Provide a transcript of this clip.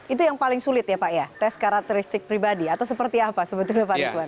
itu yang paling sulit ya pak ya tes karakteristik pribadi atau seperti apa sebetulnya pak ridwan